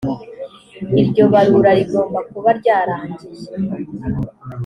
iryo barura rigomba kuba ryarangiye